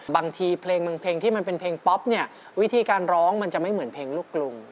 บางทีเพลงบางเพลงที่มันเป็นเพลงป๊อปเนี่ยวิธีการร้องมันจะไม่เหมือนเพลงลูกกรุง